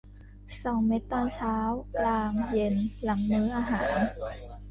สองเม็ดตอนเช้า กลาง เย็น หลังมื้ออาหาร